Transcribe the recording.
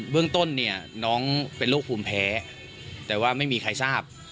เรื่องต้นเนี่ยน้องเป็นโรคภูมิแพ้แต่ว่าไม่มีใครทราบ